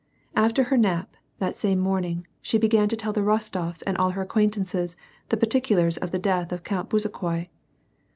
After her nap, that same morning, she began to tell the Eos tofs and all her acquaintances the particulars of the death of Count Bezukhoi.